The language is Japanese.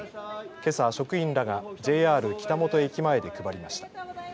けさ職員らがＪＲ北本駅前で配りました。